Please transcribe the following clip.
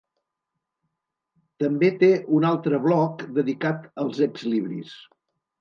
També té un altre bloc dedicat als exlibris.